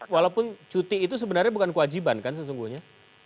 walaupun cuti itu sebenarnya bukan kewajiban kan sesungguhnya